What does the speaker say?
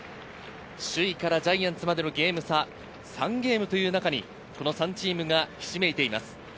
首位からジャイアンツまでのゲーム差、３ゲームという中に、この３チームがひしめいています。